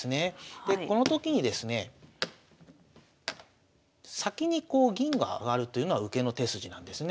でこのときにですね先にこう銀が上がるというのは受けの手筋なんですね。